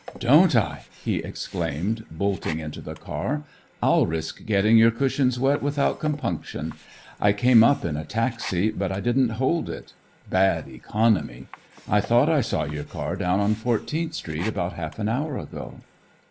"Don't I?" he exclaimed, bolting into the car. "I'll risk getting your cushions wet without compunction. I came up in a taxi, but I didn't hold it. Bad economy. I thought I saw your car down on Fourteenth Street about half an hour ago."